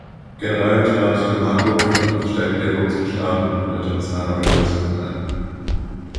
Generell trat de Marco für einen verstärkten Dialog zwischen Staaten und internationalen Organisationen ein.